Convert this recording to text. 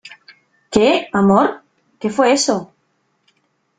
¿ Qué , amor ?¿ qué fue eso ?